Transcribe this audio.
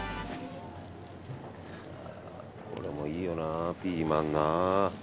これもいいよな、ピーマンな。